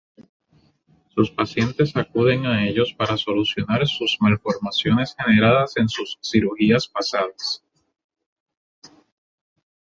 Sus pacientes acuden a ellos para solucionar sus malformaciones generadas en sus cirugías pasadas.